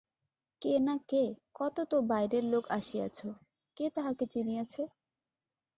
কে না কে, কত তো বাইরের লোক আসিয়াছো-কে তাহকে চিনিয়াছে?